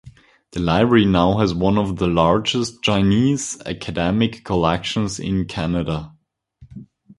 The library now has one of the largest Chinese academic collections in Canada.